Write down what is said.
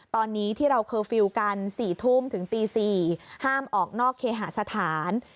ตอนนี้ที่เราเคอร์ฟิลล์กัน๔ทุ่มถึงตี๔ห้ามออกนอกเคหาสถาน